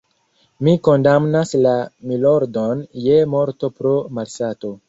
Mi kondamnas la _milordon_ je morto pro malsato.